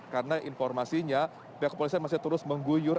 karena informasinya pihak kepolisian masih terus mengguyur